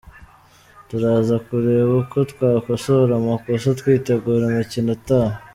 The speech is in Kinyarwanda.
Turaza kureba uko twakosora amakosa twitegura umukino utaha.